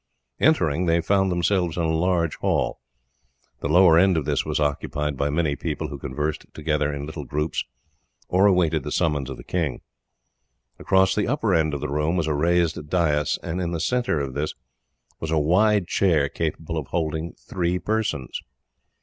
Entering they found themselves in a large hall. The lower end of this was occupied by many people, who conversed together in little groups or awaited the summons of the king. Across the upper end of the room was a raised dais, and in the centre of this was a wide chair capable of holding three persons.